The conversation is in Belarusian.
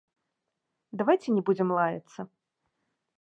Давайце не будзем лаяцца.